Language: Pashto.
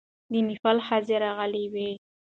د نېپال ښځې راغلې وې.